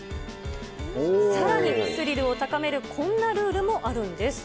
さらに、スリルを高めるこんなルールもあるんです。